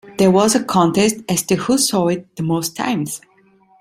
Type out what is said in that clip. There was a contest as to who saw it the most times.